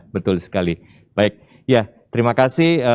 baik ya terima kasih